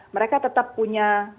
mereka tetap punya